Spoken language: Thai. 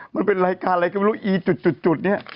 มันเป็นรายการอะไรก็ไม่รู้อีจุดเนี่ย